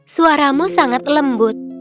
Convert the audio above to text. suaramu sangat lembut